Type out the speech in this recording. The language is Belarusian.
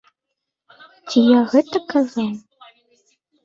Ці я гэта казаў?!